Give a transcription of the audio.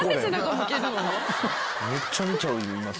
めっちゃ見ちゃいます。